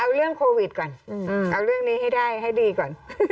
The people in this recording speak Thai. เอาเรื่องโควิดก่อนเอาเรื่องนี้ให้ได้ให้ดีก่อน